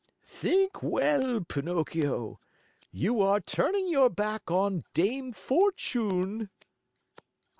"Think well, Pinocchio, you are turning your back on Dame Fortune."